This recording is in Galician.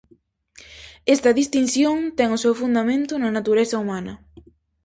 Esta distinción ten o seu fundamento na natureza humana.